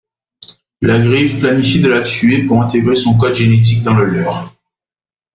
La Grive planifie de la tuer pour intégrer son code génétique dans le leur.